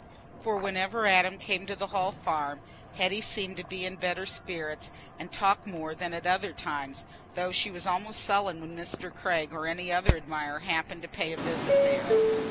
For whenever Adam came to the Hall Farm, Hetty seemed to be in better spirits and to talk more than at other times, though she was almost sullen when Mr. Craig or any other admirer happened to pay a visit there.